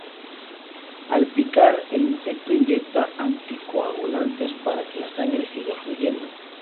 Al picar, el insecto inyecta anticoagulantes para que la sangre siga fluyendo.